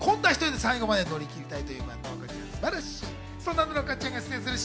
今度は１人で最後まで乗り切りたいということです。